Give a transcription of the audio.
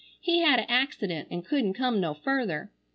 He had a accident an couldn't come no further.